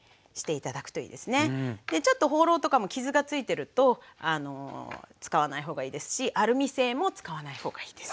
ちょっとホウロウとかも傷がついてると使わないほうがいいですしアルミ製も使わないほうがいいです。